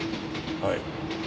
はい。